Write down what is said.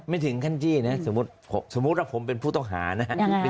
ไม่ถึงขั้นจี้นะสมมุติว่าผมเป็นผู้ต้องหานะครับ